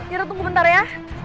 kita tunggu bentar ya